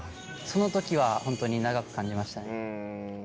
その時はホントに長く感じました。